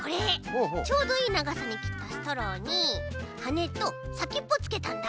ちょうどいいながさにきったストローにはねとさきっぽつけたんだ。